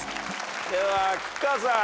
では菊川さん。